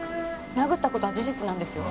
殴った事は事実なんですよ。